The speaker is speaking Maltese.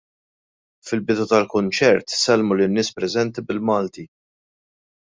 Fil-bidu tal-kunċert sellmu lin-nies preżenti bil-Malti.